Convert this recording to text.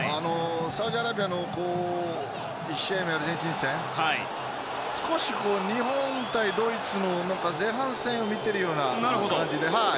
サウジアラビアの１試合目のアルゼンチン戦少し、日本対ドイツの前半戦を見ているような感じで。